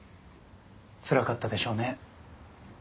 つらかったでしょうね。